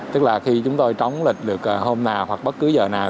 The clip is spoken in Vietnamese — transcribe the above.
tức là khi chúng tôi trống lịch được hôm nào hoặc bất cứ giờ nào